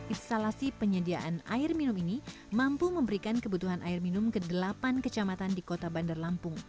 instalasi penyediaan air minum ini mampu memberikan kebutuhan air minum ke delapan kecamatan di kota bandar lampung